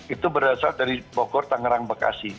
itu berasal dari bogor tangerang bekasi